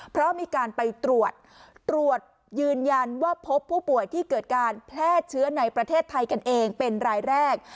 เพราะมีการไปตรวจตรวจยืนยันว่าพบผู้ป่วยที่เกิดการแพร่เชื้อในประเทศไทยกันเองเป็นรายแรก